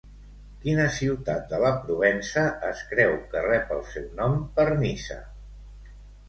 Quina ciutat de la Provença es creu que rep el seu nom per Nisa?